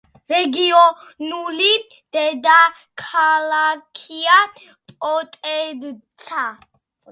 რეგიონული დედაქალაქია პოტენცა.